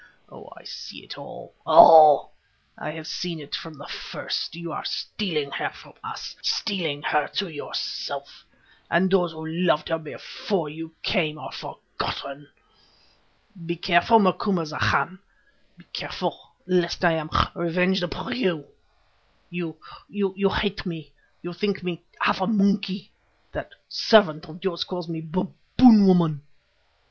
Oh, I see it all—all; I have seen it from the first; you are stealing her from us, stealing her to yourself, and those who loved her before you came are forgotten. Be careful, Macumazahn, be careful, lest I am revenged upon you. You, you hate me; you think me half a monkey; that servant of yours calls me Baboon woman.